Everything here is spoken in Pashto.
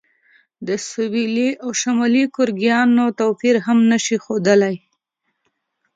د سویلي او شمالي کوریاګانو توپیر هم نه شي ښودلی.